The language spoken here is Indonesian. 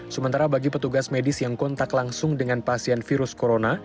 sementara bagi petugas medis yang kontak langsung dengan pasien virus corona